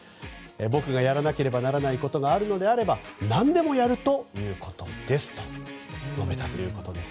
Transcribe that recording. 僕がやらなければならないことがあるのであれば何でもやるということですと述べたということです。